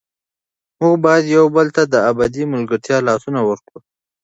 موږ باید یو بل ته د ابدي ملګرتیا لاسونه ورکړو.